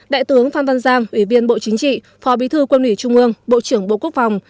đại tướng phan văn giang ủy viên bộ chính trị phó bí thư quân ủy trung ương bộ trưởng bộ quốc phòng